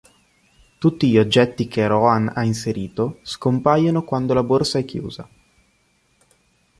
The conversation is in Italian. Tutti gli oggetti che Rohan ha inserito scompaiono quando la borsa è chiusa.